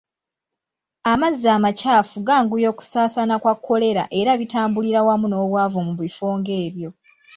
Amazzi amakyafu ganguya okusaasaana kwa kolera era bitambulira wamu n'obwavu mu bifo ng'ebyo